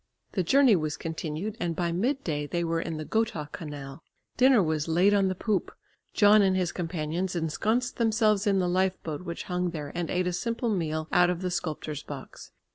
The journey was continued and by midday they were in the Gotha canal. Dinner was laid on the poop. John and his companions ensconced themselves in the lifeboat which hung there and ate a simple meal out of the sculptor's box.